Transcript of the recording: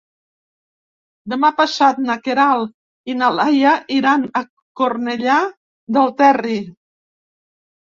Demà passat na Queralt i na Laia iran a Cornellà del Terri.